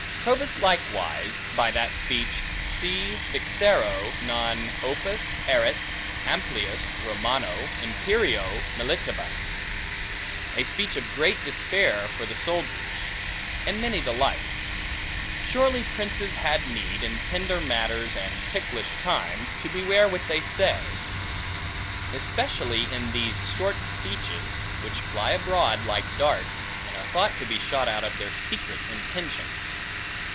Probus likewise, by that speech, Si vixero, non opus erit amplius Romano imperio militibus; a speech of great despair for the soldiers. And many the like. Surely princes had need, in tender matters and ticklish times, to beware what they say; especially in these short speeches, which fly abroad like darts, and are thought to be shot out of their secret intentions.